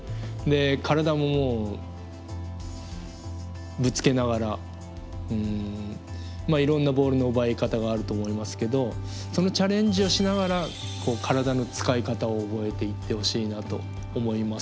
体ももうぶつけながらいろんなボールの奪い方があると思いますけどそのチャレンジをしながら体の使い方を覚えていってほしいなと思います。